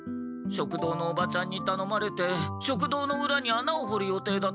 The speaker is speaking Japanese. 食堂のおばちゃんにたのまれて食堂のうらに穴を掘る予定だったんだけど。